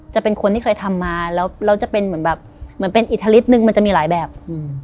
จะเป็นคนที่เคยทำมาแล้วแล้วจะเป็นเหมือนแบบเหมือนเป็นอิทธิฤทธนึงมันจะมีหลายแบบอืม